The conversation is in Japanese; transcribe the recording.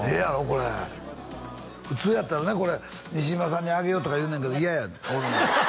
これ普通やったらねこれ西島さんにあげようとか言うねんけど嫌やねん